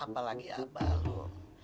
apalagi abah ruh